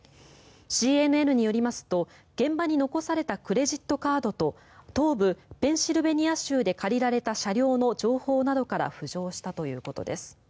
ＣＮＮによりますと現場に残されたクレジットカードと東部ペンシルベニア州で借りられた車両の情報などから浮上したということです。